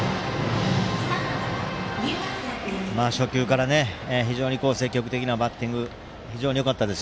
初球から非常に積極的なバッティング非常によかったです。